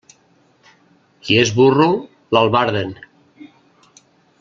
Qui és burro, l'albarden.